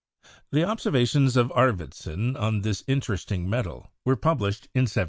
The observations of Arvid son on this interesting metal were published in 1775.